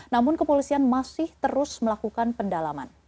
namun kepolisian masih terus melakukan pendalaman